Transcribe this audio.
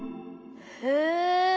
へえ。